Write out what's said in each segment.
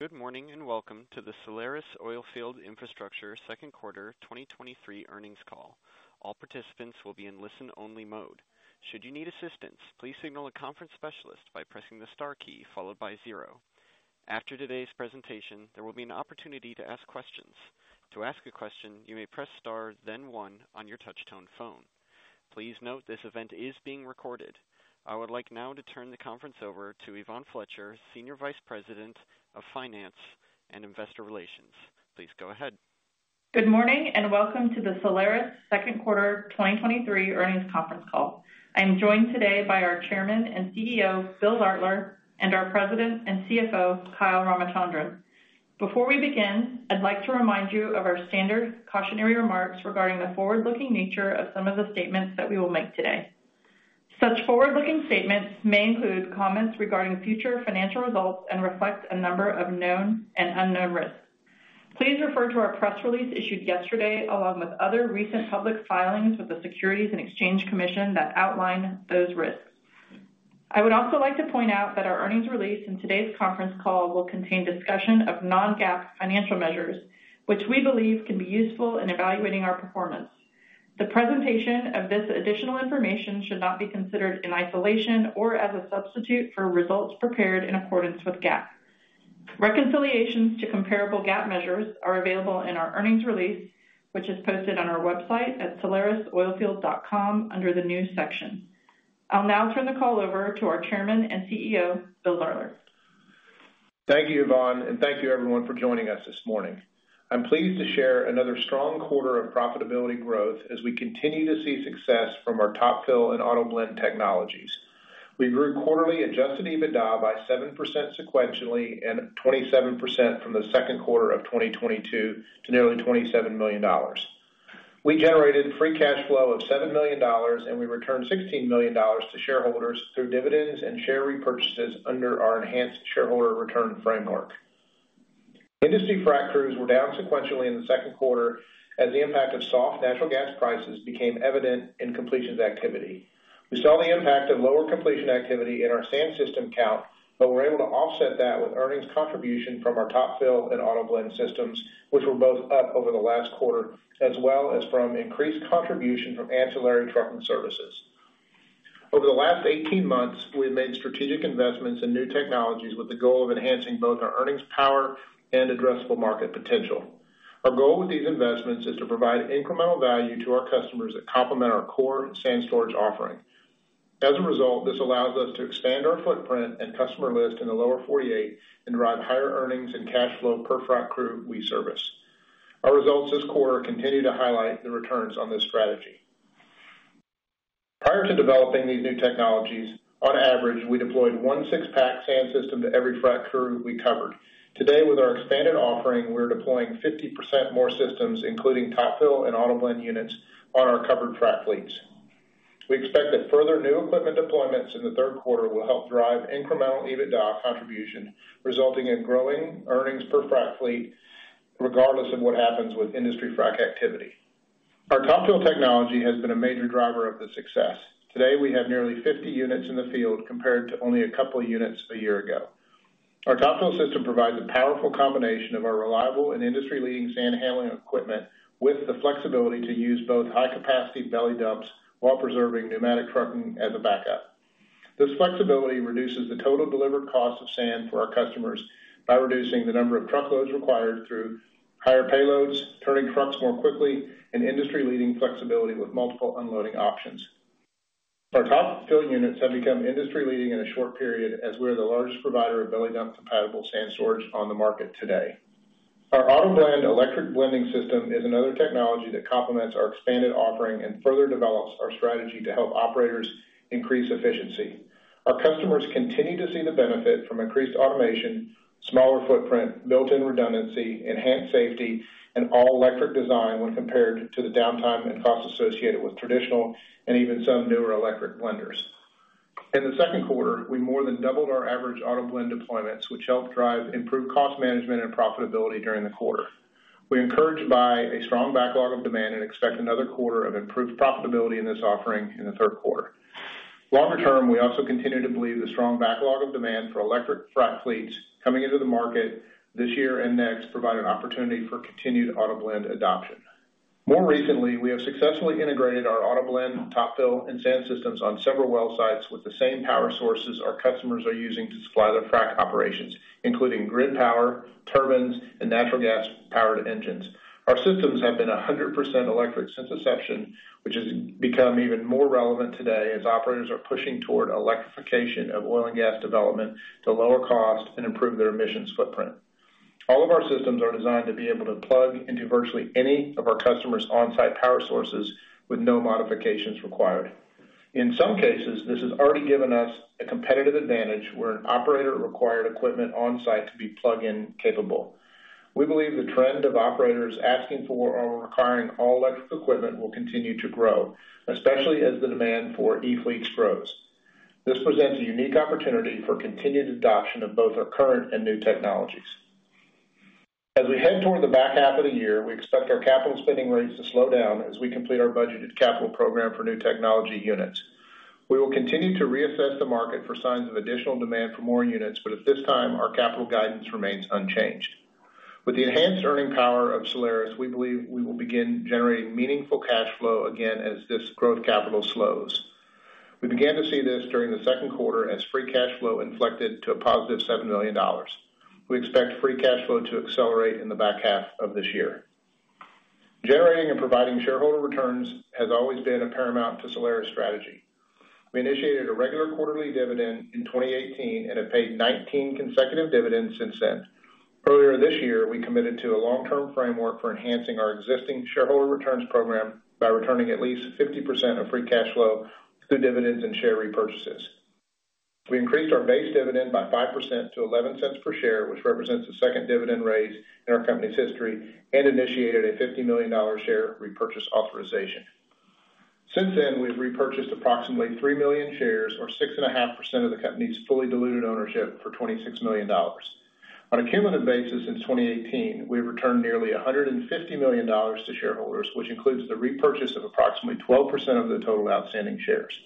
Good morning, and welcome to the Solaris Oilfield Infrastructure Second Quarter 2023 earnings call. All participants will be in listen-only mode. Should you need assistance, please signal a conference specialist by pressing the star key followed by zero. After today's presentation, there will be an opportunity to ask questions. To ask a question, you may press star, then one on your touch-tone phone. Please note, this event is being recorded. I would like now to turn the conference over to Yvonne Fletcher, Senior Vice President of Finance and Investor Relations. Please go ahead. Good morning, welcome to the Solaris Second Quarter 2023 earnings conference call. I am joined today by our Chairman and CEO, Bill Zartler, and our President and CFO, Kyle Ramachandran. Before we begin, I'd like to remind you of our standard cautionary remarks regarding the forward-looking nature of some of the statements that we will make today. Such forward-looking statements may include comments regarding future financial results and reflect a number of known and unknown risks. Please refer to our press release issued yesterday, along with other recent public filings with the Securities and Exchange Commission that outline those risks. I would also like to point out that our earnings release in today's conference call will contain discussion of non-GAAP financial measures, which we believe can be useful in evaluating our performance. The presentation of this additional information should not be considered in isolation or as a substitute for results prepared in accordance with GAAP. Reconciliations to comparable GAAP measures are available in our earnings release, which is posted on our website at solarisoilfield.com under the News section. I'll now turn the call over to our Chairman and CEO, Bill Zartler. Thank you, Yvonne, and thank you everyone for joining us this morning. I'm pleased to share another strong quarter of profitability growth as we continue to see success from our Top Fill and AutoBlend technologies. We grew quarterly Adjusted EBITDA by 7% sequentially and 27% from the second quarter of 2022 to nearly $27 million. We generated free cash flow of $7 million, and we returned $16 million to shareholders through dividends and share repurchases under our enhanced shareholder return framework. Industry frac crews were down sequentially in the second quarter as the impact of soft natural gas prices became evident in completions activity. We saw the impact of lower completion activity in our sand system count, but we're able to offset that with earnings contribution from our Top Fill and AutoBlend systems, which were both up over the last quarter, as well as from increased contribution from ancillary trucking services. Over the last 18 months, we've made strategic investments in new technologies with the goal of enhancing both our earnings power and addressable market potential. Our goal with these investments is to provide incremental value to our customers that complement our core sand storage offering. As a result, this allows us to expand our footprint and customer list in the lower forty-eight and drive higher earnings and cash flow per frac crew we service. Our results this quarter continue to highlight the returns on this strategy. Prior to developing these new technologies, on average, we deployed 1 six-pack sand system to every frac crew we covered. Today, with our expanded offering, we're deploying 50% more systems, including Top Fill and AutoBlend units, on our covered frac fleets. We expect that further new equipment deployments in the third quarter will help drive incremental EBITDA contribution, resulting in growing earnings per frac fleet, regardless of what happens with industry frac activity. Our Top Fill technology has been a major driver of this success. Today, we have nearly 50 units in the field, compared to only two units a year ago. Our Top Fill system provides a powerful combination of our reliable and industry-leading sand handling equipment, with the flexibility to use both high-capacity belly dumps while preserving pneumatic trucking as a backup. This flexibility reduces the total delivered cost of sand for our customers by reducing the number of truckloads required through higher payloads, turning trucks more quickly, and industry-leading flexibility with multiple unloading options. Our Top Fill units have become industry-leading in a short period, as we're the largest provider of belly dump-compatible sand storage on the market today. Our AutoBlend electric blending system is another technology that complements our expanded offering and further develops our strategy to help operators increase efficiency. Our customers continue to see the benefit from increased automation, smaller footprint, built-in redundancy, enhanced safety, and all-electric design when compared to the downtime and costs associated with traditional and even some newer electric blenders. In the second quarter, we more than doubled our average AutoBlend deployments, which helped drive improved cost management and profitability during the quarter. We're encouraged by a strong backlog of demand and expect another quarter of improved profitability in this offering in the third quarter. Longer term, we also continue to believe the strong backlog of demand for electric frac fleets coming into the market this year and next provide an opportunity for continued AutoBlend adoption. More recently, we have successfully integrated our AutoBlend, Top Fill, and sand systems on several well sites with the same power sources our customers are using to supply their frac operations, including grid power, turbines, and natural gas-powered engines. Our systems have been 100% electric since inception, which has become even more relevant today as operators are pushing toward electrification of oil and gas development to lower cost and improve their emissions footprint. All of our systems are designed to be able to plug into virtually any of our customers' on-site power sources with no modifications required. In some cases, this has already given us a competitive advantage where an operator required equipment on-site to be plug-in capable. We believe the trend of operators asking for or requiring all-electric equipment will continue to grow, especially as the demand for e-fleets grows. This presents a unique opportunity for continued adoption of both our current and new technologies. As we head toward the back half of the year, we expect our capital spending rates to slow down as we complete our budgeted capital program for new technology units. We will continue to reassess the market for signs of additional demand for more units, but at this time, our capital guidance remains unchanged. With the enhanced earning power of Solaris, we believe we will begin generating meaningful cash flow again as this growth capital slows. We began to see this during the second quarter as free cash flow inflected to a positive $7 million. We expect free cash flow to accelerate in the back half of this year. Generating and providing shareholder returns has always been a paramount to Solaris strategy. We initiated a regular quarterly dividend in 2018 and have paid 19 consecutive dividends since then. Earlier this year, we committed to a long-term framework for enhancing our existing shareholder returns program by returning at least 50% of free cash flow through dividends and share repurchases. We increased our base dividend by 5% to $0.11 per share, which represents the second dividend raise in our company's history, and initiated a $50 million share repurchase authorization. Since then, we've repurchased approximately 3 million shares, or 6.5% of the company's fully diluted ownership, for $26 million. On a cumulative basis, in 2018, we returned nearly $150 million to shareholders, which includes the repurchase of approximately 12% of the total outstanding shares.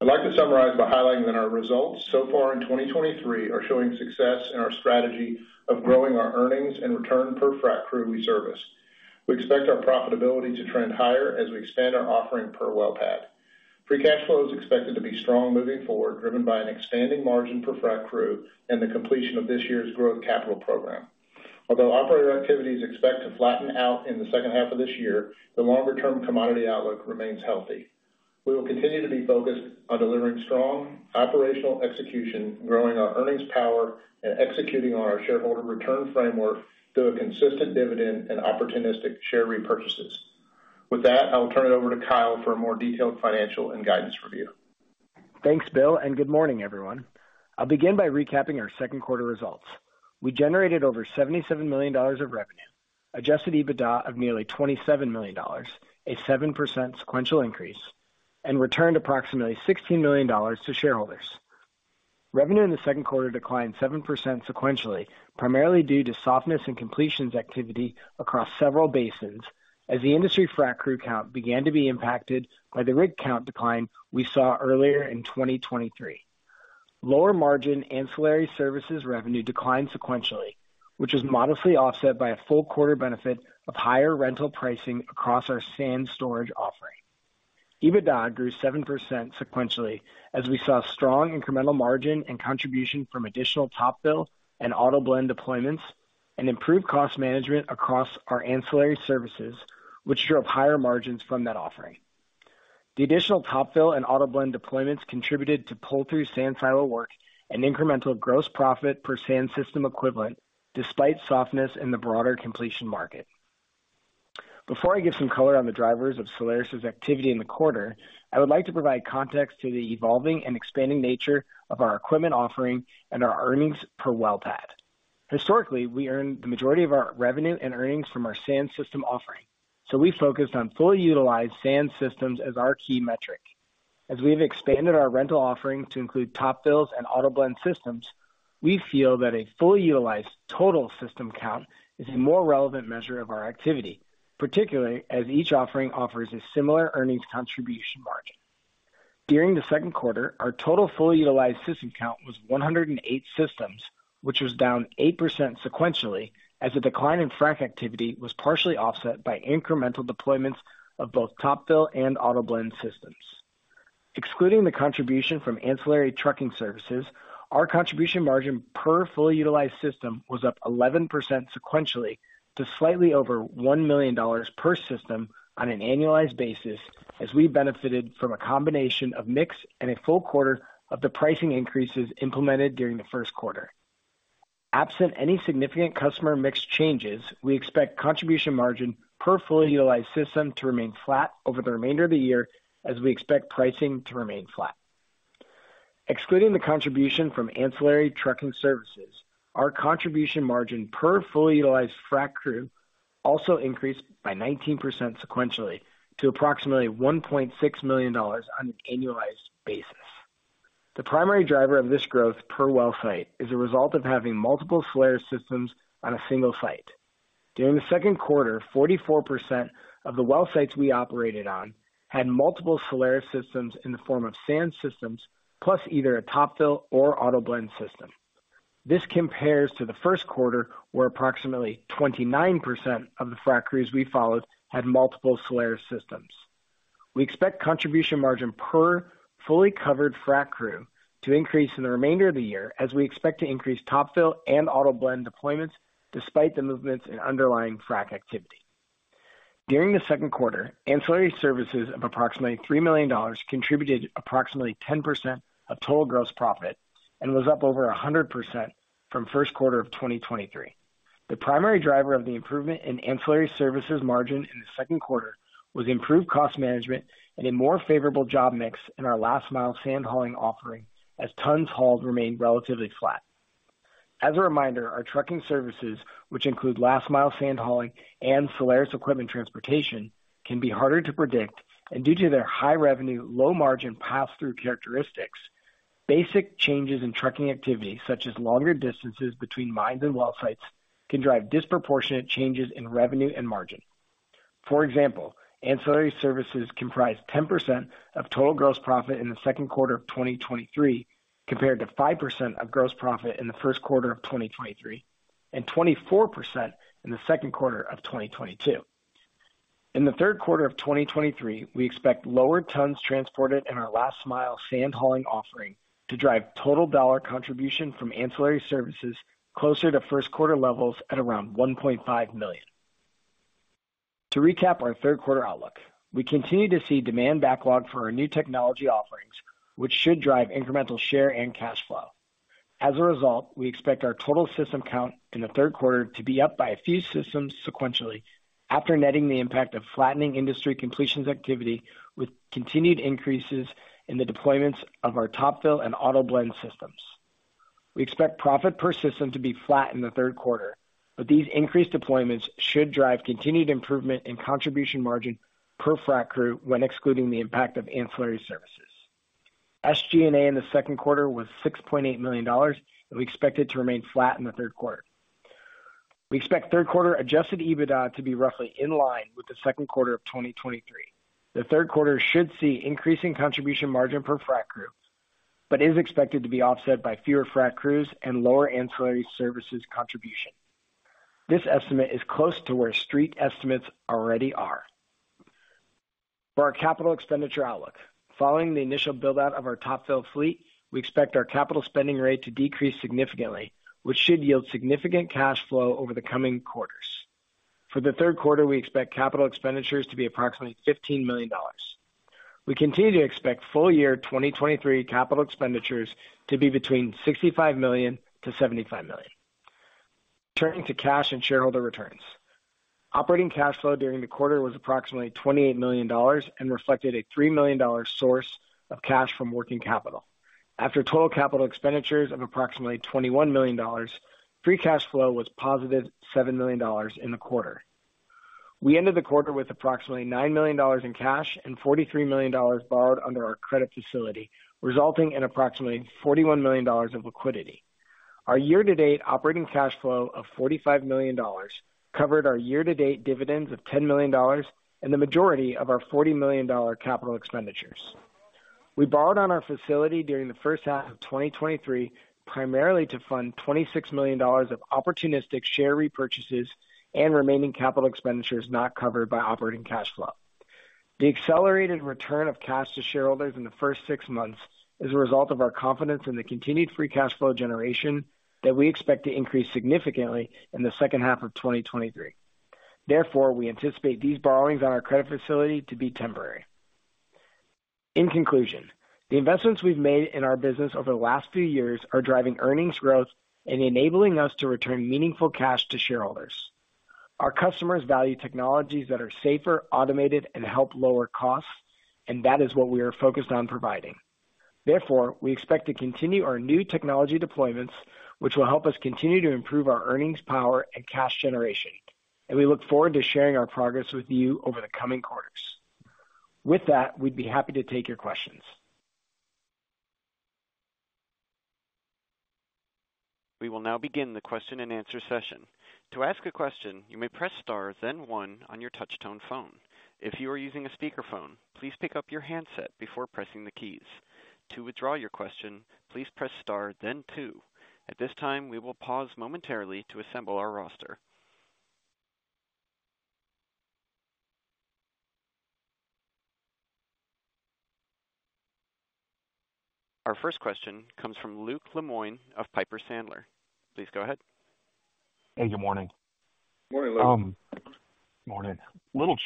I'd like to summarize by highlighting that our results so far in 2023 are showing success in our strategy of growing our earnings and return per frac crew we service. We expect our profitability to trend higher as we expand our offering per well pad. Free cash flow is expected to be strong moving forward, driven by an expanding margin per frac crew and the completion of this year's growth capital program. Although operator activities expect to flatten out in the second half of this year, the longer-term commodity outlook remains healthy. We will continue to be focused on delivering strong operational execution, growing our earnings power, and executing on our shareholder return framework through a consistent dividend and opportunistic share repurchases. With that, I will turn it over to Kyle for a more detailed financial and guidance review. Thanks, Bill, and good morning, everyone. I'll begin by recapping our second quarter results. We generated over $77 million of revenue, Adjusted EBITDA of nearly $27 million, a 7% sequential increase, and returned approximately $16 million to shareholders. Revenue in the second quarter declined 7% sequentially, primarily due to softness in completions activity across several basins, as the industry frac crew count began to be impacted by the rig count decline we saw earlier in 2023. Lower margin ancillary services revenue declined sequentially, which was modestly offset by a full quarter benefit of higher rental pricing across our sand storage offering. EBITDA grew 7% sequentially, as we saw strong incremental margin and contribution from additional Top Fill and AutoBlend deployments and improved cost management across our ancillary services, which drove higher margins from that offering. The additional Top Fill and AutoBlend deployments contributed to pull-through sand silo work and incremental gross profit per sand system equivalent, despite softness in the broader completion market. Before I give some color on the drivers of Solaris' activity in the quarter, I would like to provide context to the evolving and expanding nature of our equipment offering and our earnings per well pad. Historically, we earn the majority of our revenue and earnings from our sand system offering, so we focused on fully utilized sand systems as our key metric. As we've expanded our rental offerings to include Top Fill and AutoBlend systems, we feel that a fully utilized total system count is a more relevant measure of our activity, particularly as each offering offers a similar earnings contribution margin. During the second quarter, our total fully utilized system count was 108 systems, which was down 8% sequentially, as the decline in frac activity was partially offset by incremental deployments of both Top Fill and AutoBlend systems. Excluding the contribution from ancillary trucking services, our contribution margin per fully utilized system was up 11% sequentially to slightly over $1 million per system on an annualized basis, as we benefited from a combination of mix and a full quarter of the pricing increases implemented during the first quarter. Absent any significant customer mix changes, we expect contribution margin per fully utilized system to remain flat over the remainder of the year, as we expect pricing to remain flat. Excluding the contribution from ancillary trucking services, our contribution margin per fully utilized frac crew also increased by 19% sequentially to approximately $1.6 million on an annualized basis. The primary driver of this growth per well site is a result of having multiple Solaris systems on a single site. During the second quarter, 44% of the well sites we operated on had multiple Solaris systems in the form of sand systems, plus either a Top Fill or AutoBlend system. This compares to the first quarter, where approximately 29% of the frac crews we followed had multiple Solaris systems. We expect contribution margin per fully covered frac crew to increase in the remainder of the year, as we expect to increase Top Fill and AutoBlend deployments, despite the movements in underlying frac activity. During the second quarter, ancillary services of approximately $3 million contributed approximately 10% of total gross profit and was up over 100% from first quarter of 2023. The primary driver of the improvement in ancillary services margin in the second quarter was improved cost management and a more favorable job mix in our last mile sand hauling offering, as tons hauled remained relatively flat. As a reminder, our trucking services, which include last mile sand hauling and Solaris equipment transportation, can be harder to predict, and due to their high revenue, low margin, pass-through characteristics. Basic changes in trucking activity, such as longer distances between mines and well sites, can drive disproportionate changes in revenue and margin. For example, ancillary services comprised 10% of total gross profit in the second quarter of 2023, compared to 5% of gross profit in the first quarter of 2023, and 24% in the second quarter of 2022. In the third quarter of 2023, we expect lower tons transported in our last mile sand hauling offering to drive total dollar contribution from ancillary services closer to first quarter levels at around $1.5 million. To recap our third quarter outlook, we continue to see demand backlog for our new technology offerings, which should drive incremental share and cash flow. We expect our total system count in the third quarter to be up by a few systems sequentially, after netting the impact of flattening industry completions activity with continued increases in the deployments of our Top Fill and AutoBlend systems. We expect profit per system to be flat in the third quarter, but these increased deployments should drive continued improvement in contribution margin per frac crew when excluding the impact of ancillary services. SG&A in the second quarter was $6.8 million, and we expect it to remain flat in the third quarter. We expect third quarter Adjusted EBITDA to be roughly in line with the Second Quarter 2023. The third quarter should see increasing contribution margin per frac crew, but is expected to be offset by fewer frac crews and lower ancillary services contribution. This estimate is close to where street estimates already are. For our capital expenditure outlook, following the initial build-out of our Top Fill fleet, we expect our capital spending rate to decrease significantly, which should yield significant cash flow over the coming quarters. For the third quarter, we expect capital expenditures to be approximately $15 million. We continue to expect full year 2023 capital expenditures to be between $65 million-$75 million. Turning to cash and shareholder returns. Operating cash flow during the quarter was approximately $28 million and reflected a $3 million source of cash from working capital. After total capital expenditures of approximately $21 million, free cash flow was positive $7 million in the quarter. We ended the quarter with approximately $9 million in cash and $43 million borrowed under our credit facility, resulting in approximately $41 million of liquidity. Our year-to-date operating cash flow of $45 million covered our year-to-date dividends of $10 million and the majority of our $40 million capital expenditures. We borrowed on our facility during the first half of 2023, primarily to fund $26 million of opportunistic share repurchases and remaining capital expenditures not covered by operating cash flow. The accelerated return of cash to shareholders in the first six months is a result of our confidence in the continued free cash flow generation that we expect to increase significantly in the second half of 2023. We anticipate these borrowings on our credit facility to be temporary. In conclusion, the investments we've made in our business over the last few years are driving earnings growth and enabling us to return meaningful cash to shareholders. Our customers value technologies that are safer, automated, and help lower costs, and that is what we are focused on providing. Therefore, we expect to continue our new technology deployments, which will help us continue to improve our earnings power and cash generation. We look forward to sharing our progress with you over the coming quarters. With that, we'd be happy to take your questions. We will now begin the question-and-answer session. To ask a question, you may press star then one on your touch-tone phone. If you are using a speakerphone, please pick up your handset before pressing the keys. To withdraw your question, please press star then two. At this time, we will pause momentarily to assemble our roster. Our first question comes from Luke Lemoine of Piper Sandler. Please go ahead. Hey, good morning. Morning, Luke. Morning. You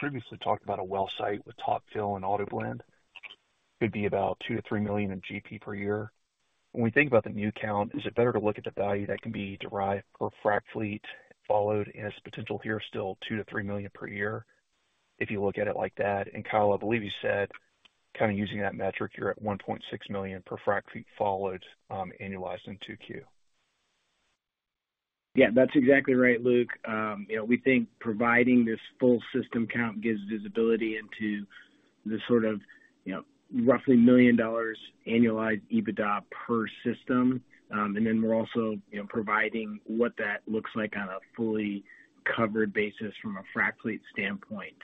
previously talked about a well site with Top Fill and AutoBlend could be about $2 million-$3 million in GP per year. When we think about the new count, is it better to look at the value that can be derived per frac fleet followed as potential here, still $2 million-$3 million per year, if you look at it like that? Kyle, I believe you said, kind of using that metric, you're at $1.6 million per frac fleet followed, annualized in 2Q. Yeah, that's exactly right, Luke. You know, we think providing this full system count gives visibility into the sort of, you know, roughly $1 million annualized EBITDA per system. We're also, you know, providing what that looks like on a fully covered basis from a frac fleet standpoint.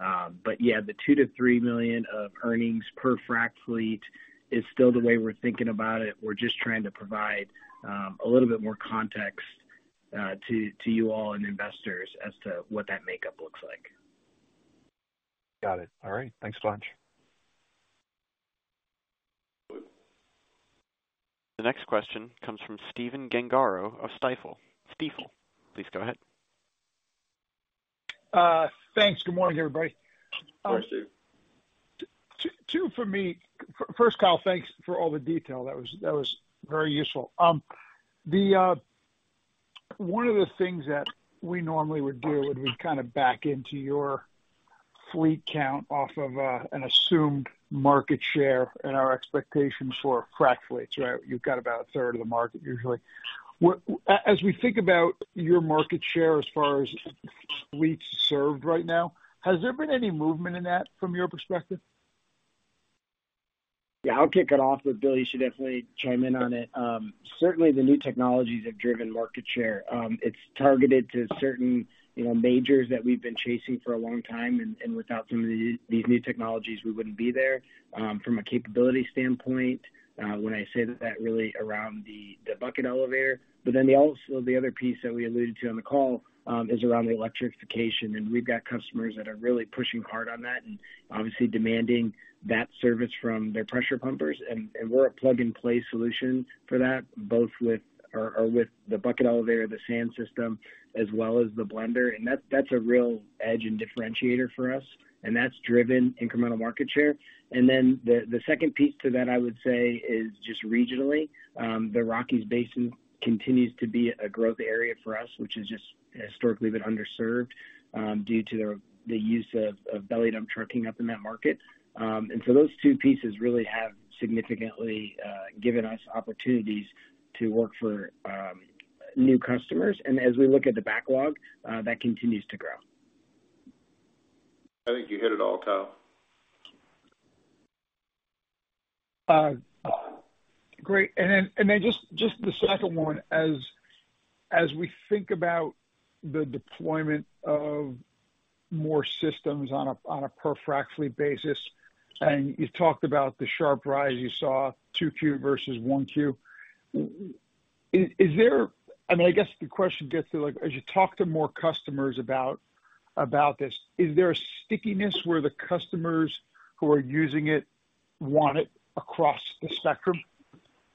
Yeah, the $2 million-$3 million of earnings per frac fleet is still the way we're thinking about it. We're just trying to provide a little bit more context to you all and investors as to what that makeup looks like. Got it. All right, thanks a bunch. The next question comes from Stephen Gengaro of Stifel. Please go ahead. Thanks. Good morning, everybody. Hi, Stephen. Two for me. First, Kyle, thanks for all the detail. That was, that was very useful. The one of the things that we normally would do would be kind of back into your fleet count off of an assumed market share and our expectations for frac fleets, right? You've got about a third of the market usually. As we think about your market share, as far as the least served right now. Has there been any movement in that from your perspective? Yeah, I'll kick it off, but Bill, you should definitely chime in on it. Certainly, the new technologies have driven market share. It's targeted to certain, you know, majors that we've been chasing for a long time, and, and without some of these new technologies, we wouldn't be there. From a capability standpoint, when I say that, that really around the, the bucket elevator. Then the other piece that we alluded to on the call, is around the electrification, and we've got customers that are really pushing hard on that and obviously demanding that service from their pressure pumpers. and we're a plug-and-play solution for that, both with or with the bucket elevator, the sand system, as well as the blender. that's, that's a real edge and differentiator for us, and that's driven incremental market share. The second piece to that, I would say, is just regionally, the Rockies Basin continues to be a growth area for us, which has just historically been underserved due to the use of belly dump trucking up in that market. Those two pieces really have significantly given us opportunities to work for new customers. As we look at the backlog, that continues to grow. I think you hit it all, Kyle. Great. Then, just the second one, as we think about the deployment of more systems on a per frac fleet basis, and you talked about the sharp rise you saw 2Q versus 1Q. Is there... I mean, I guess the question gets to, like, as you talk to more customers about this, is there a stickiness where the customers who are using it want it across the spectrum?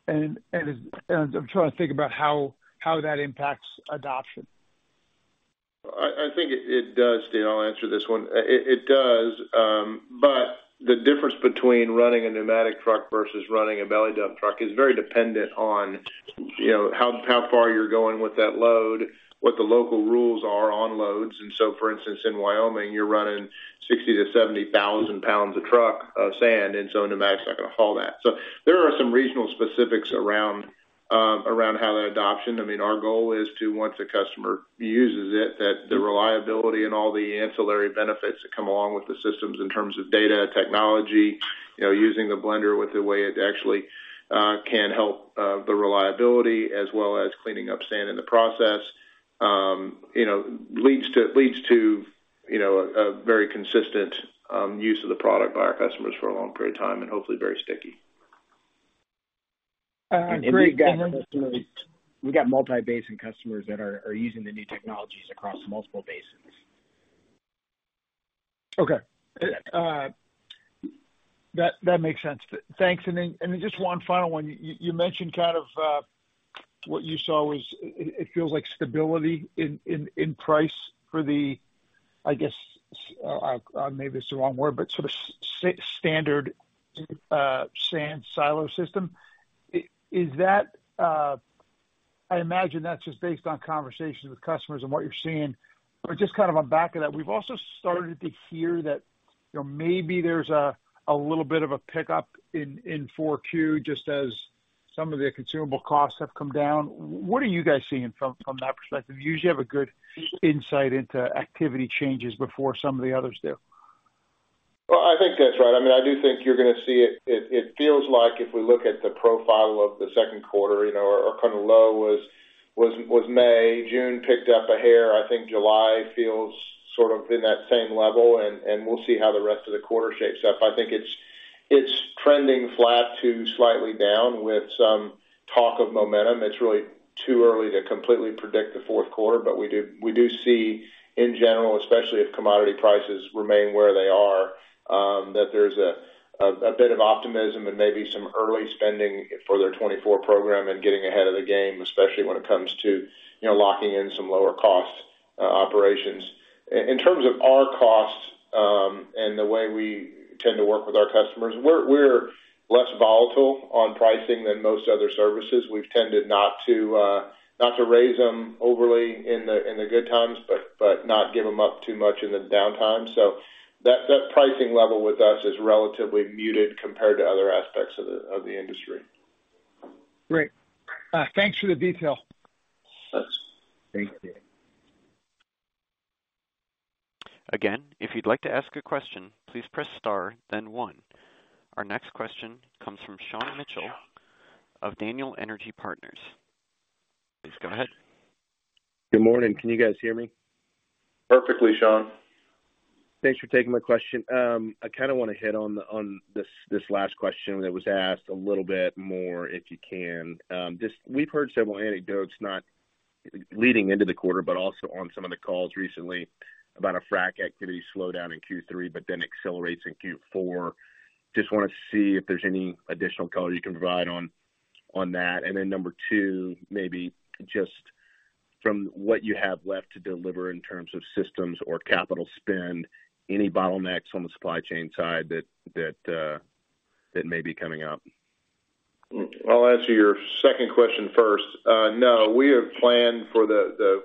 I'm trying to think about how that impacts adoption. I think it does, then I'll answer this one. It does, but the difference between running a pneumatic truck versus running a belly dump truck is very dependent on, you know, how, how far you're going with that load, what the local rules are on loads. For instance, in Wyoming, you're running 60 to 70 thousand pounds of truck sand, and so a pneumatic's not gonna haul that. There are some regional specifics around how that adoption. I mean, our goal is to, once a customer uses it, that the reliability and all the ancillary benefits that come along with the systems in terms of data, technology, you know, using the blender with the way it actually can help the reliability, as well as cleaning up sand in the process, you know, leads to, you know, a very consistent use of the product by our customers for a long period of time, and hopefully very sticky. Great. We've got customers. We've got multi-basin customers that are using the new technologies across multiple basins. Okay. That makes sense. Thanks. Then, just one final one. You mentioned kind of, what you saw was, it feels like stability in price for the, I guess, maybe this is the wrong word, but sort of standard, sand silo system. Is that... I imagine that's just based on conversations with customers and what you're seeing. Just kind of on back of that, we've also started to hear that, you know, maybe there's a little bit of a pickup in 4Q, just as some of the consumable costs have come down. What are you guys seeing from that perspective? You usually have a good insight into activity changes before some of the others do. Well, I think that's right. I mean, I do think you're gonna see it. It, it feels like if we look at the profile of the second quarter, you know, our kind of low was, was, was May, June picked up a hair. I think July feels sort of in that same level, and, and we'll see how the rest of the quarter shapes up. I think it's, it's trending flat to slightly down with some talk of momentum. It's really too early to completely predict the fourth quarter, but we do, we do see, in general, especially if commodity prices remain where they are, that there's a bit of optimism and maybe some early spending for their 2024 program and getting ahead of the game, especially when it comes to, you know, locking in some lower cost operations. In terms of our costs, and the way we tend to work with our customers, we're, we're less volatile on pricing than most other services. We've tended not to, not to raise them overly in the, in the good times, but, but not give them up too much in the downtime. That, that pricing level with us is relatively muted compared to other aspects of the, of the industry. Great. Thanks for the detail. Thank you. Again, if you'd like to ask a question, please press star, then one. Our next question comes from Sean Mitchell of Daniel Energy Partners. Please go ahead. Good morning. Can you guys hear me? Perfectly, Sean. Thanks for taking my question. I kinda wanna hit on, on this, this last question that was asked a little bit more, if you can. Just we've heard several anecdotes, not leading into the quarter, but also on some of the calls recently about a frac activity slowdown in Q3, but then accelerates in Q4. Just wanna see if there's any additional color you can provide on, on that. Then number two, maybe just from what you have left to deliver in terms of systems or capital spend, any bottlenecks on the supply chain side that, that may be coming up? I'll answer your second question first. No, we have planned for the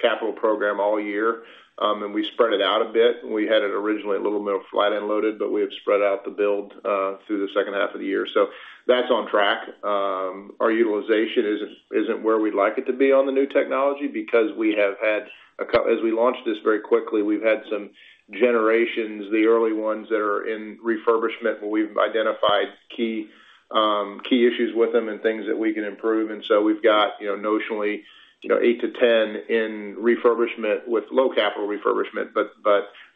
capital program all year, and we spread it out a bit. We had it originally a little more flat and loaded, but we have spread out the build through the second half of the year. That's on track. Our utilization isn't, isn't where we'd like it to be on the new technology because as we launched this very quickly, we've had some generations, the early ones that are in refurbishment, where we've identified key issues with them and things that we can improve. We've got, you know, notionally, you know, eight to 10 in refurbishment with low capital refurbishment.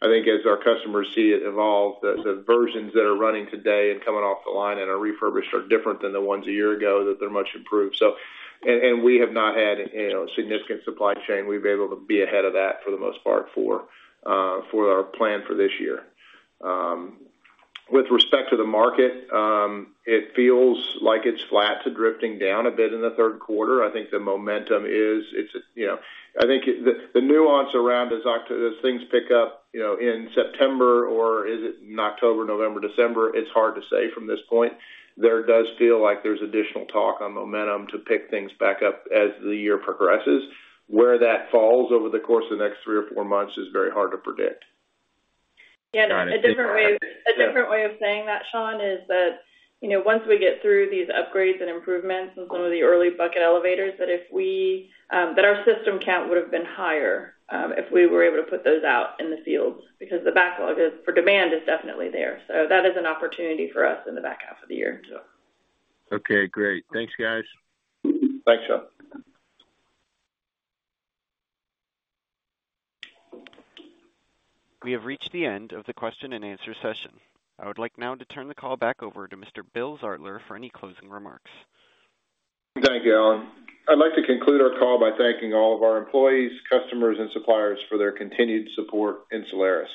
I think as our customers see it evolve, the, the versions that are running today and coming off the line and are refurbished, are different than the ones a year ago, that they're much improved. We have not had, you know, significant supply chain. We've been able to be ahead of that for the most part, for our plan for this year. With respect to the market, it feels like it's flat to drifting down a bit in the third quarter. I think the momentum is, it's, you know. I think it, the, the nuance around as things pick up, you know, in September, or is it in October, November, December? It's hard to say from this point. There does feel like there's additional talk on momentum to pick things back up as the year progresses. Where that falls over the course of the next three or four months is very hard to predict. Yeah, a different way of saying that, Sean, is that, you know, once we get through these upgrades and improvements in some of the early bucket elevators, that if we, that our system count would have been higher, if we were able to put those out in the fields, because the backlog is, for demand, is definitely there. That is an opportunity for us in the back half of the year. Okay, great. Thanks, guys. Thanks, Sean. We have reached the end of the question-and-answer session. I would like now to turn the call back over to Mr. Bill Zartler for any closing remarks. Thank you, Alan. I'd like to conclude our call by thanking all of our employees, customers, and suppliers for their continued support in Solaris.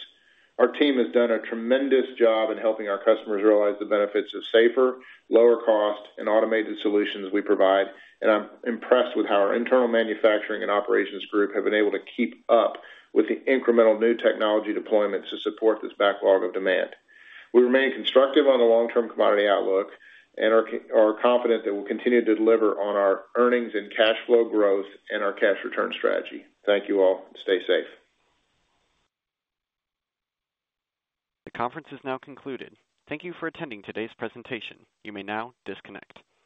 Our team has done a tremendous job in helping our customers realize the benefits of safer, lower-cost, and automated solutions we provide, and I'm impressed with how our internal manufacturing and operations group have been able to keep up with the incremental new technology deployments to support this backlog of demand. We remain constructive on the long-term commodity outlook and are confident that we'll continue to deliver on our earnings and cash flow growth and our cash return strategy. Thank you all. Stay safe. The conference is now concluded. Thank you for attending today's presentation. You may now disconnect.